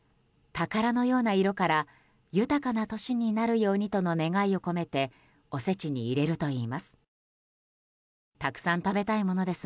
宝のような色から豊かな年になるようにとの願いを込めておせちに入れるといいます。